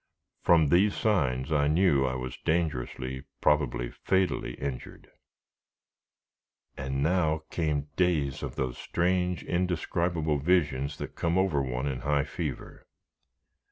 From these signs, I knew I was dangerously, probably fatally injured. And now came days of those strange, indescribable visions that come over one in high fever.